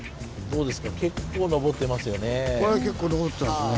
これ結構上ってますね。